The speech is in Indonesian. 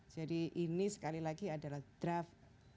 jadi ini sekali lagi adalah draft